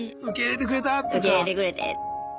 受け入れてくれて。